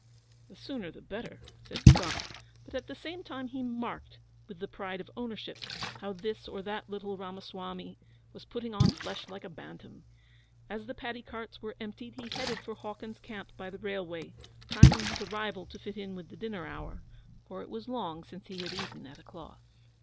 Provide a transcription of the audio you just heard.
'The sooner the better,' said Scott; but at the same time he marked, with the pride of ownership, how this or that little Ramasawmy was putting on flesh like a bantam. As the paddy carts were emptied he headed for Hawkins's camp by the railway, timing his arrival to fit in with the dinner hour, for it was long since he had eaten at a cloth.